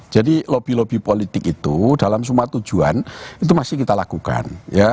jadi lobby lobby politik itu dalam semua tujuan itu masih kita lakukan